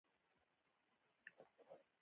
ایا ستاسو ښوونځی به نه خلاصیږي؟